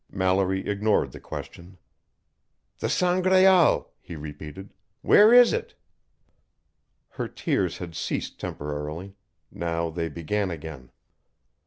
Mallory ignored the question. "The Sangraal," he repeated. "Where is it?" Her tears had ceased temporarily; now they began again.